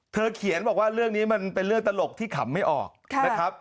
เขียนบอกว่าเรื่องนี้มันเป็นเรื่องตลกที่ขำไม่ออกนะครับ